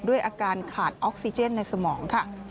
ด้วยอาการขาดออกซิเจนในสมองค่ะ